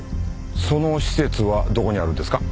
その施設はどこにあるんですか？